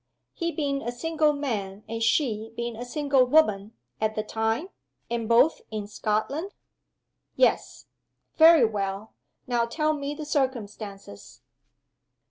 "He being a single man, and she being a single woman, at the time? And both in Scotland?" "Yes." "Very well. Now tell me the circumstances."